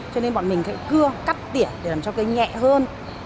cho nên bọn mình phải cưa cắt tiể để làm cho cây nhẹ hơn